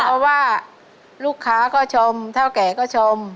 เพราะว่าลูกค้าก็ชมเท่าแก่ก็ชม